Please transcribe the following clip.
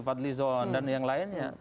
pat lison dan yang lainnya